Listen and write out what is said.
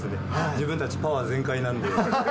自分たちパワー全開なんで。